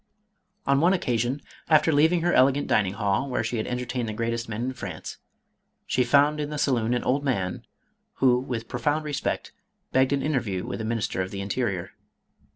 On one occasion, after leaving her elegant dining hall, where she had entertained the greatest men in France, she found in the saloon an old man, who, with profound respect, begged an interview with the Minister of the Interior.